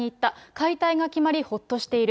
解体が決まり、ほっとしている。